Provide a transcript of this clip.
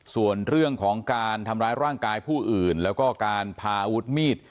ส่วนเรื่องของการทำร้ายร่างกายผู้อื่นแล้วก็การพาอาวุธมีด